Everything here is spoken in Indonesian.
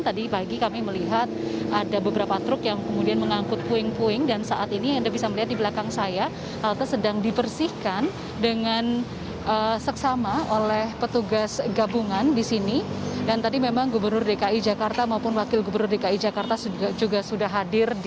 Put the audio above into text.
tadi pagi kami melihat ada beberapa truk yang kemudian mengangkut puing puing dan saat ini yang anda bisa melihat di belakang saya halte sedang dibersihkan dengan seksama oleh petugas galau